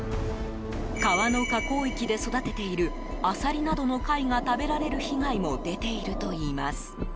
川の河口域で育てているアサリなどの貝が食べられる被害も出ているといいます。